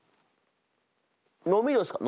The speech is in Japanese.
飲みどうですか？